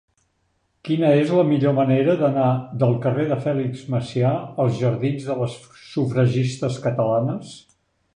Quina és la millor manera d'anar del carrer de Fèlix Macià als jardins de les Sufragistes Catalanes?